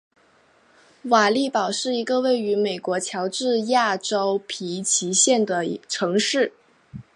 瓦利堡是一个位于美国乔治亚州皮奇县的城市。